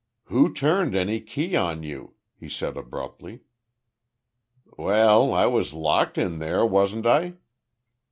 "Who turned any key on you?" he said abruptly. "Well, I was locked in there, wasn't I?"